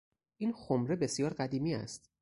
این خمره بسیار قدیمی است